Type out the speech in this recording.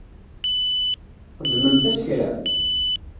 Txedmemt-as kra?